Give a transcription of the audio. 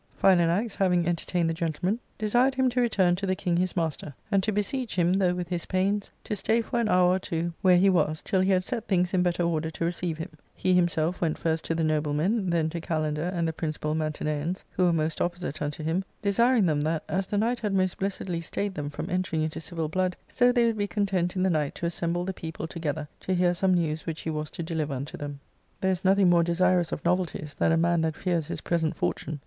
Philanax, having entertained the gentleman, desired him to return to the king his master, and to beseech him, though with his pains, to stay for an hour or two where he ,ARCADIA.—Book V. M7 was, till he had set things in better order to receive him*; he himself went first to the noblemen, then to Kalander and the principal Mantiireans, who were most opposite unto him, desiring them that, as the night had most blessedly stayed tbem from entering into civil blood, so they would be content in the night to assemble the people together to hear some news which he was to deliver unto them, . There is nothing more desirous of novelties than a man that fears his present fortune.